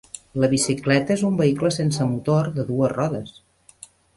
La bicicleta és un vehicle sense motor de dues rodes.